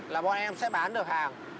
là bọn em sẽ bán được hàng